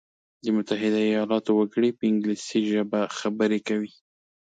د متحده ایلاتو وګړي په انګلیسي ژبه خبري کوي.